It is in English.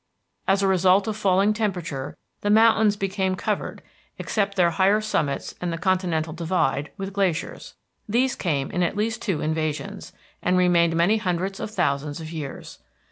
As a result of falling temperature, the mountains became covered, except their higher summits and the continental divide, with glaciers. These came in at least two invasions, and remained many hundreds of thousands of years.